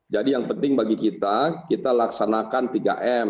jadi yang penting bagi kita kita laksanakan tiga m